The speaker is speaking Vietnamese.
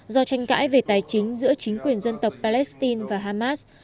do tranh cãi về tài chính giữa chính quyền dân tộc palestine và hamas